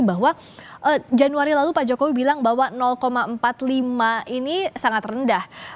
bahwa januari lalu pak jokowi bilang bahwa empat puluh lima ini sangat rendah